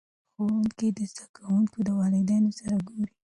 ښوونکي د زده کوونکو د والدینو سره ګوري.